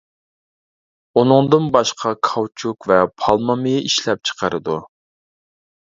ئۇنىڭدىن باشقا، كاۋچۇك ۋە پالما مېيى ئىشلەپ چىقىرىدۇ.